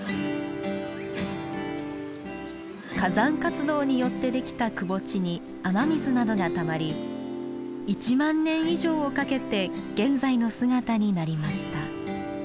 火山活動によってできたくぼ地に雨水などがたまり１万年以上をかけて現在の姿になりました。